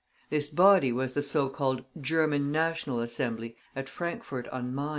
This body was the so called German National Assembly at Frankfort on Main.